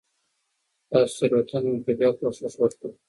تاسو تيروتنه وکړه . بيا کوشش وکړه